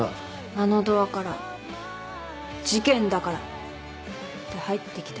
あのドアから「事件だから」って入ってきたりして。